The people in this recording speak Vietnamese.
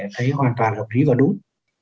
thấy hoàn toàn hợp lý và đúng